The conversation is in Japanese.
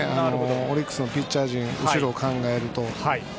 オリックスのピッチャー陣を考えると。